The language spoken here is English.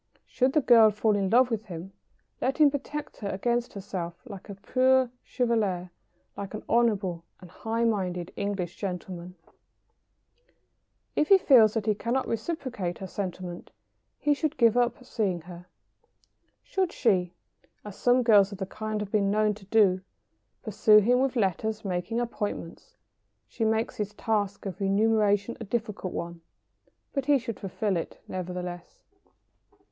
Should the girl fall in love with him, let him protect her against herself like a preux chevalier, like an honourable and high minded English gentleman. [Sidenote: Should he be unable to reciprocate.] If he feels that he cannot reciprocate her sentiment, he should give up seeing her. Should she, as some girls of the kind have been known to do, pursue him with letters making appointments, she makes his task of renunciation a difficult one, but he should fulfil it nevertheless.